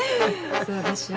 そうでしょう。